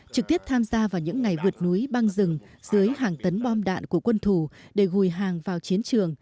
trực tiếp tham gia vào những ngày vượt núi băng rừng dưới hàng tấn bom đạn của quân thủ để gùi hàng vào chiến trường